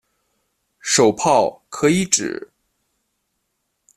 手炮可以指